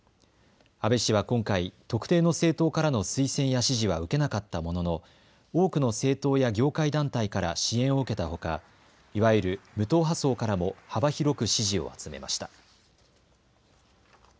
阿部氏は今回、特定の政党からの推薦や支持は受けなかったものの多くの政党や業界団体から支援を受けたほか、いわゆる無党派層からも幅広く支持を集めました。